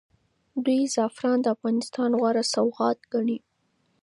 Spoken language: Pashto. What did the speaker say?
دوی زعفران د افغانستان غوره سوغات ګڼي.